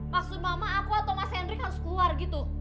maksud mama aku atau mas henry harus keluar gitu